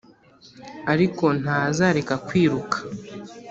ariko ntazareka kwiruka.